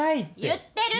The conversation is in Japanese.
言ってる。